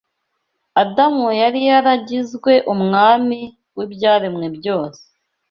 Adamu yari yaragizwe umwami w’ibyaremwe byose